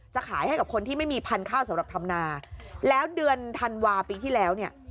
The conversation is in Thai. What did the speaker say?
ขายให้กับคนที่ไม่มีพันธุ์ข้าวสำหรับทำนาแล้วเดือนธันวาปีที่แล้วเนี่ย